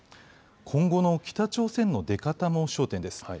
今後の北朝鮮の出方も焦点です。